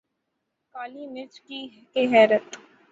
کالی مرچ کے حیرت